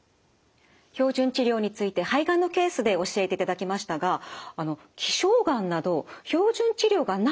標準治療について肺がんのケースで教えていただきましたが希少がんなど標準治療がないという場合もありますよね。